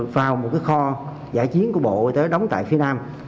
vào một kho giải chiến của bộ y tế đóng tại phía nam